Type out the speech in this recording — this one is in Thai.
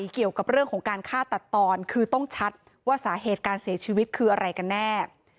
เกี่ยวกับเรื่องของการฆ่าตัดตอนคือต้องชัดว่าสาเหตุการเสียชีวิตคืออะไรกันแน่